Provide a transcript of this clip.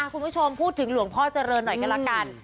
คุณผู้ชมพูดถึงหลวงพ่อเจริญหน่อยก็ละกัน